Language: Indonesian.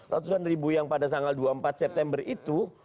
ratusan ribu yang pada tanggal dua puluh empat september itu